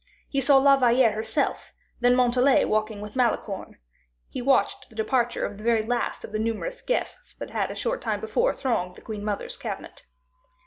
He saw La Valliere herself, then Montalais talking with Malicorne; he watched the departure of the very last of the numerous guests that had a short time before thronged the queen mother's cabinet.